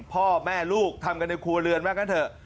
พ่อแม่ลูกทำกันในครัวเรือนว่างั้นเถอะ